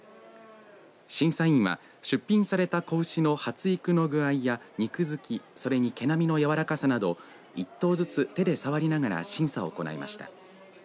審査員は出品された子牛の発育の具合や肉づきそれに毛並みの柔らかさなど一頭ずつ手で触りながら審査を行いました。